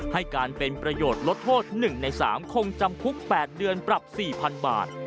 ให้การเป็นประโยชน์ลดโทษ๑ใน๓คงจำคุก๘เดือนปรับ๔๐๐๐บาท